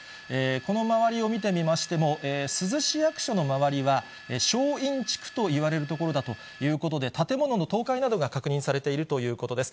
この周りを見てみましても、珠洲市役所の周りは、しょういん地区といわれる所だということで、建物の倒壊などが確認されているということです。